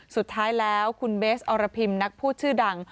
สุดท้ายแล้วคุณเบสอรพิมนักพูดชื่อดัง